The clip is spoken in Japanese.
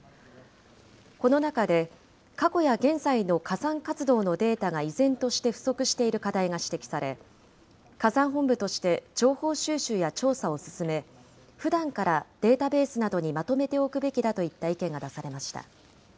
この中で、過去や現在の火山活動のデータが依然として不足している課題が指摘され、火山本部として情報収集や調査を進め、ふだんからデータベースなどにまとめておくべきだといった意見が出されました。